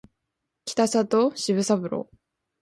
北里柴三郎